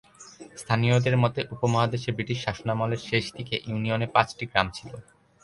স্থানীয়দের মতে, উপমহাদেশে ব্রিটিশ শাসনামলের শেষ দিকে ইউনিয়নে পাঁচটি গ্রাম ছিলো।